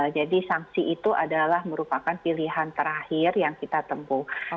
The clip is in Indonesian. jadi sanksi itu adalah merupakan pilihan terakhir yang kita temukan